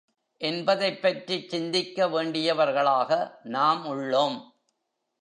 என்பதைப் பற்றிச் சிந்திக்க வேண்டியவர்களாக நாம் உள்ளோம்.